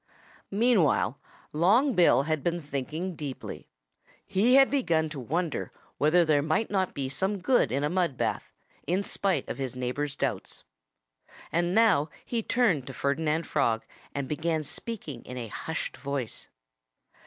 Meanwhile Long Bill had been thinking deeply. He had begun to wonder whether there might not be some good in a mud bath, in spite of his neighbors' doubts. And now he turned to Ferdinand Frog and began speaking in a hushed voice.